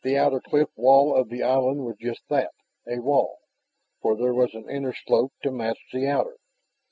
The outer cliff wall of the island was just that, a wall, for there was an inner slope to match the outer.